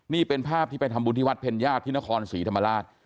นี่เป็นภาพที่ไปทำบุญที่วัดเพ็ญญาติที่นครศรีธรรมราช